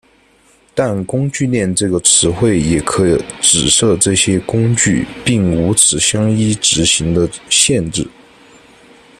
但工具链这个词汇也可指涉这些工具并无此相依执行的限制。